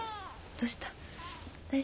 どうした？